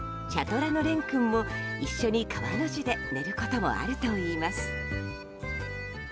トラのレン君も一緒に川の字で寝ることもあるといいます。